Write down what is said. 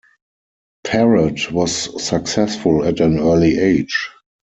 Parrott was successful at an early age.